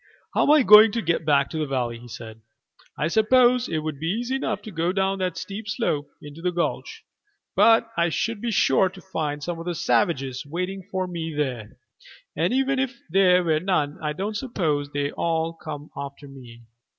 "How am I to get back to the valley?" he said. "I suppose it would be easy enough to go down that steep slope into the gulch, but I should be sure to find some of the savages waiting for me there, and even if there were none I don't suppose they all came after me.